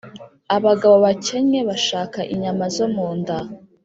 abagabo bakennye bashaka inyama zo mu nda;